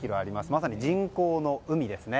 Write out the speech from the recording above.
まさに人工の海ですね。